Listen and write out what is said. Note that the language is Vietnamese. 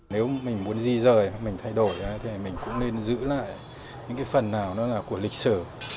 nếu mình muốn di rời hoặc mình thay đổi thì mình cũng nên giữ lại những cái phần nào nó là của lịch sử